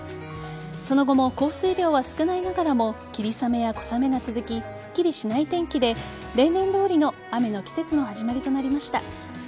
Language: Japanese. その後も降水量は少ないながらも霧雨や小雨が続きすっきりしない天気で例年どおりの雨の季節の始まりとなりました。